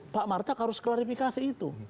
pak martak harus klarifikasi itu